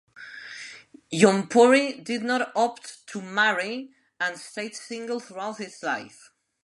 Jaunpuri did not opt to marry and stayed single throughout his life.